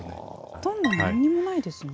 ほとんど何にもないですね。